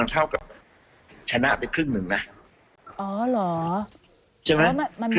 ไม่มันได้ออกได้